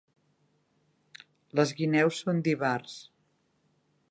Les guineus són d'Ivars.